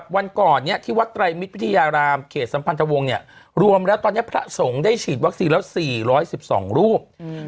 วันก่อนที่วัดไตรมิตรวิทยารามเขตสัมพันธวงศ์รวมแล้วตอนนี้พระสงฆ์ได้ฉีดวัคซีนแล้ว๔๑๒รูป